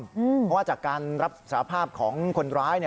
เพราะว่าจากการรับสาภาพของคนร้าย